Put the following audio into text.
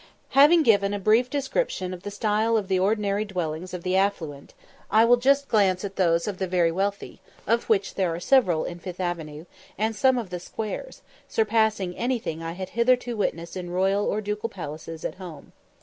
Having given a brief description of the style of the ordinary dwellings of the affluent, I will just glance at those of the very wealthy, of which there are several in Fifth Avenue, and some of the squares, surpassing anything I had hitherto witnessed in royal or ducal palaces at home.